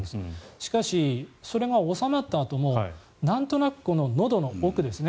しかし、それが収まったあともなんとなくのどの奥ですね